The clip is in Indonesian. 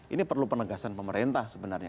ini perlu penegasan pemerintah sebenarnya